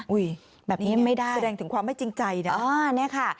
อุ๊ยแสดงถึงความไม่จริงใจนะแบบนี้ไม่ได้อ๋อนี่ค่ะ